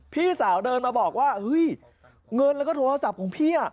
พี่สาวเดินมาบอกว่าเฮ้ยเงินแล้วก็โทรศัพท์ของพี่